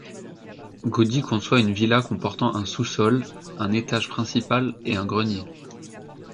Gaudí conçoit une villa comportant un sous-sol, un étage principal et un grenier.